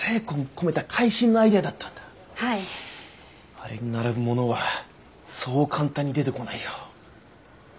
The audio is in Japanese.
あれに並ぶものはそう簡単に出てこないよ。